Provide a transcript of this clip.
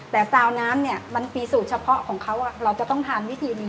แต่เตาน้ำมันฟรีสูตรเฉพาะของเขาเราจะต้องทานวิธีนี้